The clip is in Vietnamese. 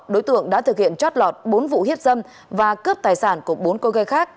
đối tượng đã thực hiện chót lọt bốn vụ hiếp dâm và cướp tài sản của bốn cô ghê khác